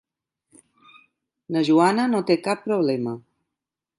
La Joana no té cap problema.